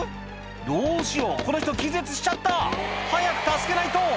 どうしようこの人気絶しちゃった早く助けないと！